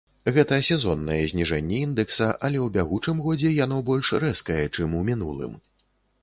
Гэта сезоннае зніжэнне індэкса, але ў бягучым годзе яно больш рэзкае, чым у мінулым.